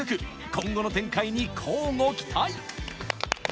今後の展開に、乞うご期待！